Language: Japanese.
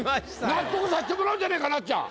納得させてもらおうじゃねぇかなっちゃん。